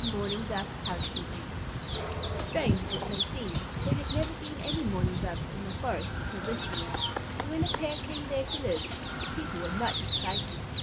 MOURNING DOVE'S HOUSEKEEPING Strange as it may seem, there had never been any Mourning Doves in the forest until this year, and when a pair came there to live, the people were much excited.